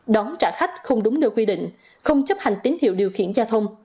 đón trả khách không đúng nơi quy định không chấp hành tín hiệu điều khiển giao thông